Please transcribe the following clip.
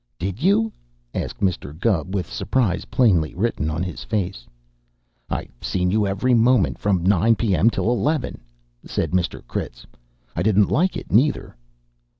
"Did you?" asked Mr. Gubb, with surprise plainly written on his face. "I seen you every moment from nine P.M. till eleven!" said Mr. Critz. "I didn't like it, neither."